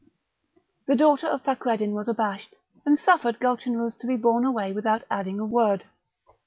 The daughter of Fakreddin was abashed, and suffered Gulchenrouz to be borne away without adding a word.